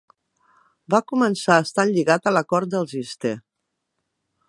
Va començar estant lligat a la cort dels Este.